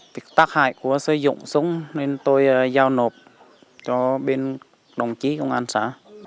thì tác hại của sử dụng súng nên tôi giao nộp cho bên đồng chí công an xã